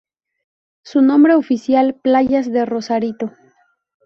Su nombre oficial Playas de Rosarito.